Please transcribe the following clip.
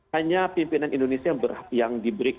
hanya pimpinan indonesia yang diberikan